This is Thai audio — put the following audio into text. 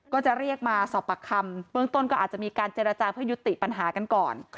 ก็จะเรียกมาสอบปากคำเบื้องต้นก็อาจจะมีการเจรจาเพื่อยุติปัญหากันก่อน